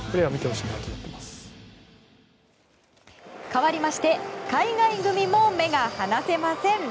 かわりまして海外組も目が離せません。